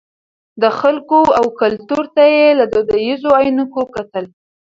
د خلکو او کلتور ته یې له دودیزو عینکو کتل.